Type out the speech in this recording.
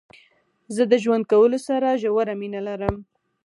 زه د ژوند کولو سره ژوره مينه لرم.